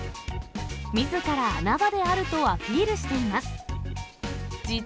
みずから穴場であるとアピールしています。